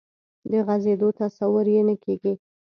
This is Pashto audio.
د غځېدو تصور یې نه کېږي.